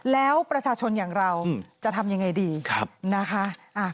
แล้วประชาชนอย่างเราจะทำยังไงดีนะคะ